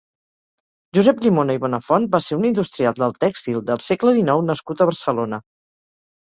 Josep Llimona i Bonafont va ser un industrial del tèxtil del segle dinou nascut a Barcelona.